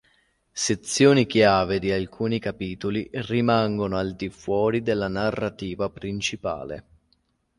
Sezioni chiave di alcuni capitoli rimangono al di fuori della narrativa principale.